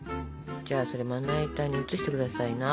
じゃあそれまな板に移して下さいな。